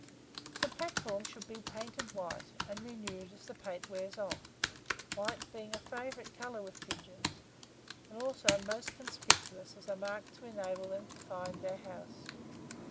The platform should be painted white, and renewed as the paint wears off, white being a favourite colour with pigeons, and also most conspicuous as a mark to enable them to find their house.